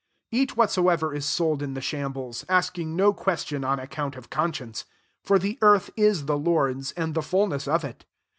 25 Eat whatsoever is sold in the shambles, asking no ques tion on account of conscience. 26 For the earth i* the Lord's, ind the fulness of it..